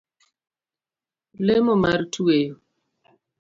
Lemo mar tweyo